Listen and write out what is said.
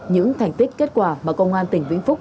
những thành tích kết quả mà công an tỉnh vĩnh phúc